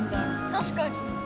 たしかに。